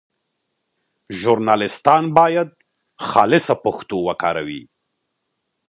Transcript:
ژورنالیستان باید خالصه پښتو وکاروي.